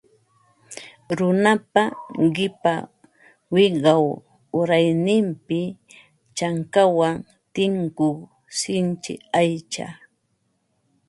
Runapa qipa wiqaw urayninpi chankawan tinkuq sinchi aycha